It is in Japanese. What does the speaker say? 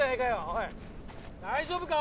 おい大丈夫か？